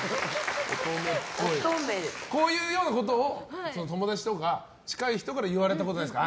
こういうようなことを友達とか近い人から言われたことないですか。